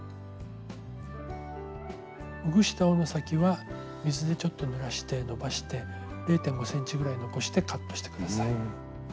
ほぐした緒の先は水でちょっとぬらしてのばして０．５ｃｍぐらい残してカットして下さい。